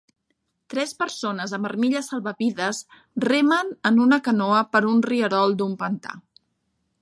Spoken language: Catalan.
Tres persones amb armilla salvavides remen en una canoa per un rierol d'un pantà.